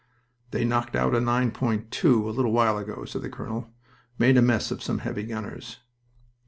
"They knocked out a 9.2 a little while ago," said the colonel. "Made a mess of some heavy gunners."